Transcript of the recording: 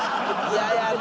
嫌やな。